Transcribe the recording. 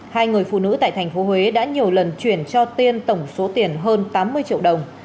hai người phụ nữ tại tp huế đã nhiều lần chuyển cho tiên tổng số tiền hơn tám mươi triệu đồng